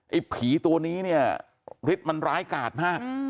ไอ้ผีตัวนี้เนี่ยฤทธิ์มันร้ายกาดมาก